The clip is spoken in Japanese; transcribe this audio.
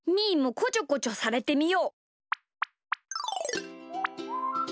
ーもこちょこちょされてみよう。